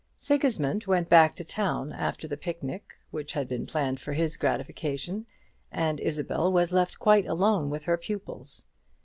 Sigismund went back to town after the picnic which had been planned for his gratification, and Isabel was left quite alone with her pupils.